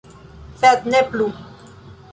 Sed ne plu.